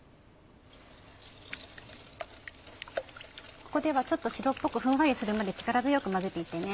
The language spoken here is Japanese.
ここではちょっと白っぽくふんわりするまで力強く混ぜていってね。